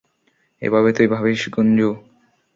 এভাবে তুই ভাবিস গুঞ্জু।